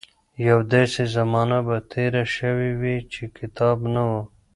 يوه داسې زمانه به تېره شوې وي چې کتاب نه و.